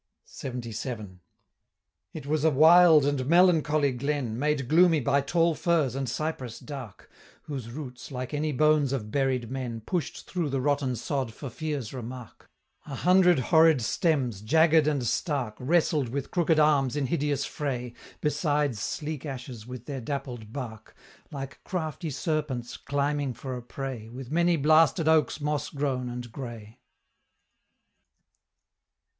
LXXVII. "It was a wild and melancholy glen, Made gloomy by tall firs and cypress dark, Whose roots, like any bones of buried men, Push'd through the rotten sod for fear's remark; A hundred horrid stems, jagged and stark, Wrestled with crooked arms in hideous fray, Besides sleek ashes with their dappled bark, Like crafty serpents climbing for a prey, With many blasted oaks moss grown and gray."